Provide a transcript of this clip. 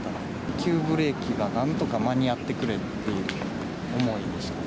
急ブレーキがなんとか間に合ってくれっていう思いでした。